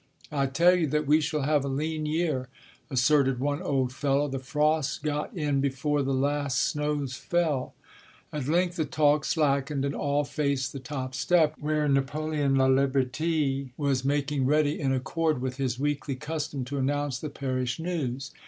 "I tell you that we shall have a lean year," asserted one old fellow, "the frost got in before the last snows fell." At length the talk slackened and all faced the top step, where Napoleon Laliberte was making ready, in accord with his weekly custom, to announce the parish news.